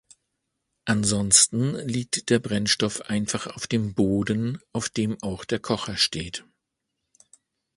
Ansonsten liegt der Brennstoff einfach auf dem Boden, auf dem auch der Kocher steht.